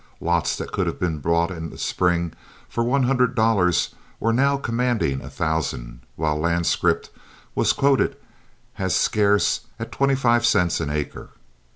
Lots that could have been bought in the spring for one hundred dollars were now commanding a thousand, while land scrip was quoted as scarce at twenty five cents an acre.